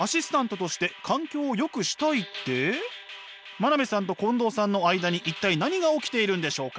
真鍋さんと近藤さんの間に一体何が起きているんでしょうか？